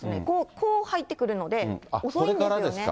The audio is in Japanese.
こう入ってくるので、遅いんですよね。